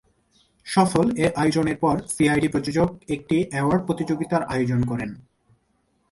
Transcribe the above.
সফল এ আয়োজনের পর "'সিআইডি"' প্রযোজক একটি অ্যাওয়ার্ড প্রতিযোগিতার আয়োজন করেন।